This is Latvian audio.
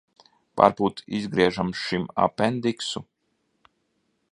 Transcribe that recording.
Varbūt izgriežam šim apendiksu?